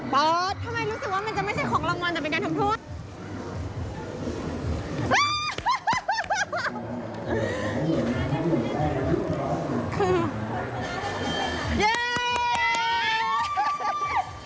ทำไมรู้สึกว่ามันจะไม่ใช่ของรางวัลแต่เป็นการทำโทษ